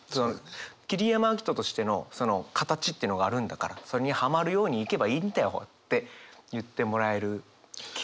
桐山照史としてのその形っていうのがあるんだからそれにはまるようにいけばいいんだよって言ってもらえる気がして。